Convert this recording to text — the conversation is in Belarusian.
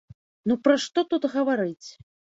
Ну пра што тут гаварыць.